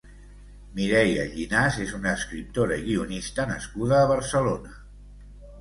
Mireia Llinàs és una escriptora i guionista nascuda a Barcelona.